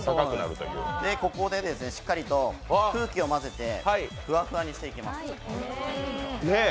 ここで、しっかりと空気を混ぜてふわふわにしていきます。